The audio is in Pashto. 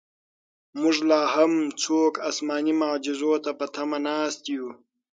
موږ لاهم څوک اسماني معجزو ته په تمه ناست یو.